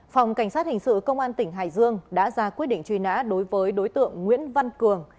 phòng cảnh sát hình sự công an tỉnh hải dương đã ra quyết định truy nã đối với đối tượng nguyễn văn cường